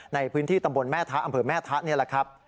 ในพื้นที่ตำบลแม่ทะอำเภอแม่ทะนี่แหละครับ